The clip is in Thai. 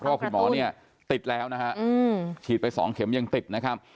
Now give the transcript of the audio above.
เพราะว่าคุณหมอเนี่ยติดแล้วนะฮะฉีดไป๒เข็มยังติดนะครับ